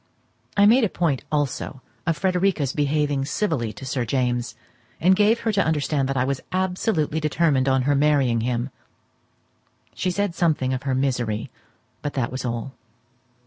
I made a point also of Frederica's behaving civilly to Sir James, and gave her to understand that I was absolutely determined on her marrying him. She said something of her misery, but that was all.